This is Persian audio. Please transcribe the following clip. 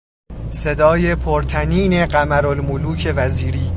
صدای پر طنین قمرالملوک وزیری